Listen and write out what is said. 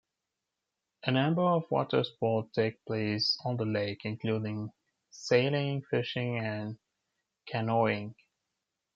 A number of watersports take place on the lake, including sailing, fishing, and canoeing.